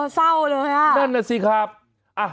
เจ้าเลยนั่นน่ะสิครับอ่ะ